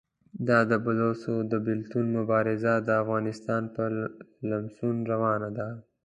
دا د بلوڅو د بېلتون مبارزه د افغانستان په لمسون روانه ده.